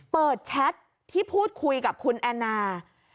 แชทที่พูดคุยกับคุณแอนนา